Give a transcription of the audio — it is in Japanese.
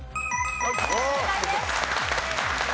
正解です。